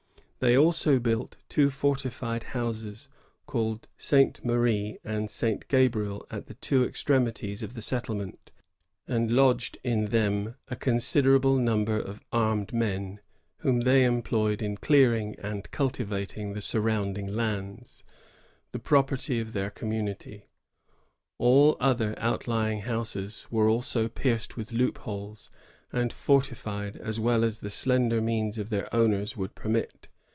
They also built two fortified houses, called Ste. Marie and St. Gabriel, at the two extremities of the settlement, and lodged in them a considerable number of armed men, whom they employed in clearing and cultivating the surrounding lands, the property of their community. All other outlying houses were also pierced with loopholes, and fortified as well as the slender means of their owners would permit.